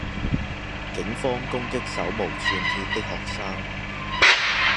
警方攻擊手無寸鐵的學生